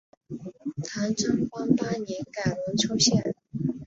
唐贞观八年改龙丘县。